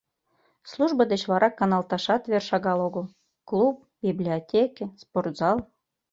Службо деч вара каналташат вер шагал огыл: клуб, библиотеке, спортзал.